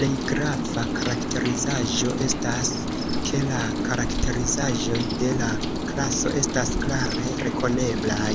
Plej grava karakterizaĵo estas, ke la karakterizaĵoj de la klaso estas klare rekoneblaj.